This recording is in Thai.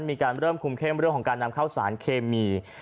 มีการเริ่มคุมเข้มเรื่องของการนำเข้าสารเคมี